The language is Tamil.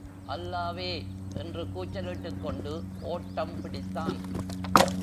அல்லாவே என்று கூச்சலிட்டுக் கொண்டு ஓட்டம் பிடித்தான்.